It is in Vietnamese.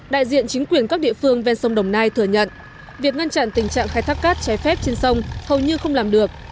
đại diện chính quyền các địa phương ven sông đồng nai thừa nhận việc ngăn chặn tình trạng khai thác cát trái phép trên sông hầu như không làm được